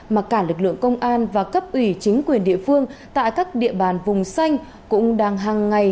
mà cả lực lượng công an và cấp ủy chính quyền địa phương tại các địa bàn vùng xanh cũng đang hàng ngày